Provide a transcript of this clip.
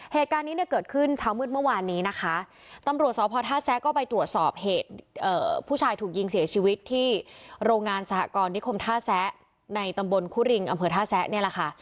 เหตุการณ์นี้เนี่ยเกิดขึ้นเช้ามืดเมื่อวานนี้นะคะตำรวจสพท่าแซะก็ไปตรวจสอบเหตุผู้ชายถูกยิงเสียชีวิตที่โรงงานสหกรณิคมท่าแซะในตำบลคุริงอำเภอท่าแซะเนี่ยแหละค่ะ